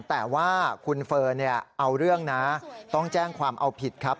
แต่ว่าคุณเฟิร์นเอาเรื่องนะต้องแจ้งความเอาผิดครับ